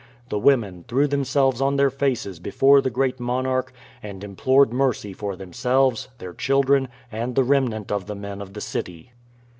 The women threw themselves on their faces before the great monarch and implored mercy for themselves, their children, and the remnant of the men of the city.